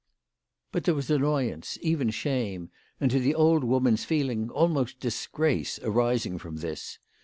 But there was annoyance, even shame, and to the old woman's feeling almost disgrace, arising from this.